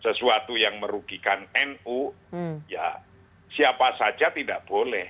sesuatu yang merugikan nu ya siapa saja tidak boleh